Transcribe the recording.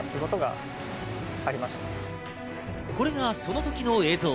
これがその時の映像。